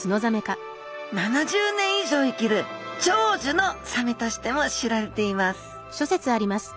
７０年以上生きる長寿のサメとしても知られています